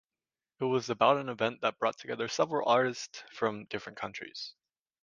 It was about an event that brought together several artist from different countries.